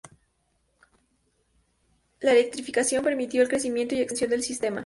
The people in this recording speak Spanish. La electrificación permitió el crecimiento y extensión del sistema.